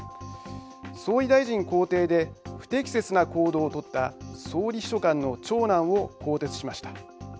総理大臣公邸で不適切な行動を取った総理秘書官の長男を更迭しました。